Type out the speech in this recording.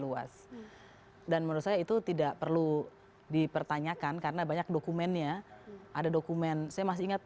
luas dan menurut saya itu tidak perlu dipertanyakan karena banyak dokumennya ada dokumen saya masih ingat